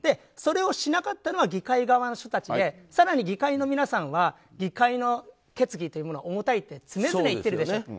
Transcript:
それをしなかったのは議会側の人たちで更に議会の皆さんは議会の決議というものは重たいって常々言ってるでしょ。